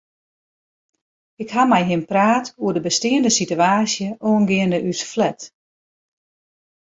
Ik ha mei him praat oer de besteande sitewaasje oangeande ús flat.